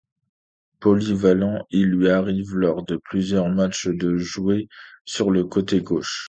Polyvalent, il lui arrive lors de plusieurs matchs de jouer sur le côté gauche.